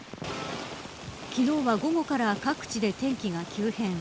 昨日は午後から各地で天気が急変。